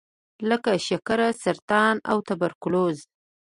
لکه شکر، سرطان او توبرکلوز.